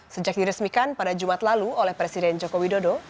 sejak diresmikan pada jumat lalu oleh presiden joko widodo